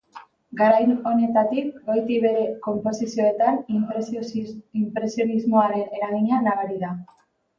Garai honetatik goiti bere konposizioetan inpresionismoaren eragina nabari da.